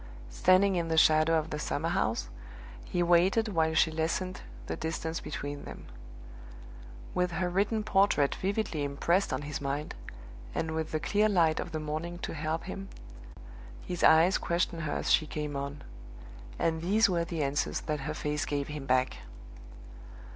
Standing in the shadow of the summer house, he waited while she lessened the distance between them. With her written portrait vividly impressed on his mind, and with the clear light of the morning to help him, his eyes questioned her as she came on; and these were the answers that her face gave him back.